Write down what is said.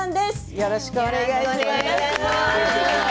よろしくお願いします。